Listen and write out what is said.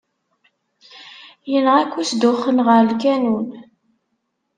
Yenɣa-k usduxxen ɣer lkanun!